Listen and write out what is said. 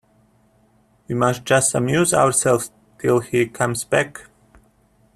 We must just amuse ourselves till he comes back.